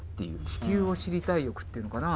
地球を知りたい欲っていうのかな。